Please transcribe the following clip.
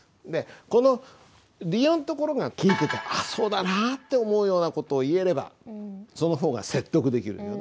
この理由のところが聞いてて「ああそうだな」って思うような事を言えればその方が説得できるよね。